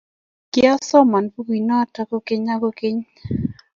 kiasoman bukuit noto kogeny ak kogeny.